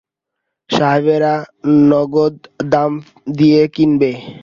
সাহেবেরা নগদ দাম দিয়ে কিনবে।